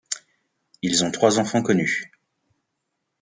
Ils ont trois enfants connus.